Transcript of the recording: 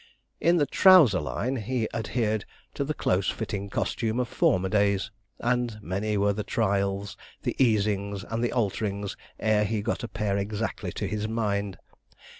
In the trouser line he adhered to the close fitting costume of former days; and many were the trials, the easings, and the alterings, ere he got a pair exactly to his mind.